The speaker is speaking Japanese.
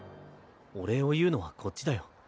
お礼を言うのはこっちだよ。